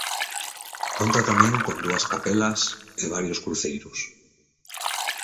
Conta tamén con dúas capelas e varios cruceiros.